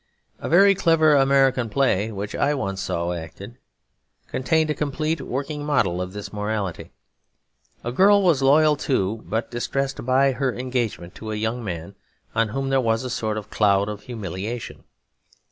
A very clever American play which I once saw acted contained a complete working model of this morality. A girl was loyal to, but distressed by, her engagement to a young man on whom there was a sort of cloud of humiliation.